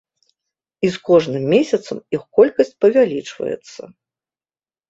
І з кожным месяцам іх колькасць павялічваецца.